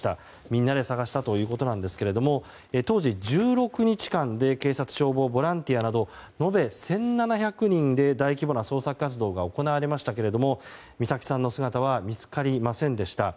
みんなで捜したということなんですが当時１６日間で警察、消防、ボランティアなど延べ１７００人で、大規模な捜索活動が行われましたが美咲さんの姿は見つかりませんでした。